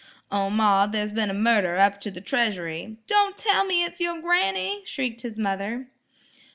"O, ma, there's been a murder up to the treasury–" "Don' tell me it's yer granny!" shrieked his mother.